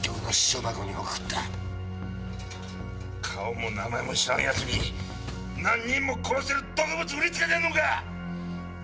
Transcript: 顔も名前も知らんヤツに何人も殺せる毒物売りつけてんのか！